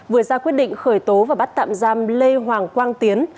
vừa ra quyết định khởi tố và bắt tạm giam lê hoàng quang tiến